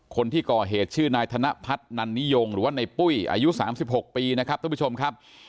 คนที่ก่อเหตุชื่อนายธนพัฒนันนิยมหรือว่าในปุ้ยอายุ๓๖ปีนะครับท่านผู้ชมครับ